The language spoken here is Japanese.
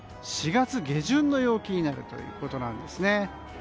４月下旬の陽気になるということなんですね。